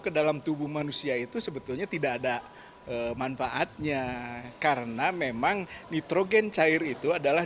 ke dalam tubuh manusia itu sebetulnya tidak ada manfaatnya karena memang nitrogen cair itu adalah